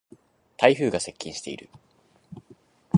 台風が接近している。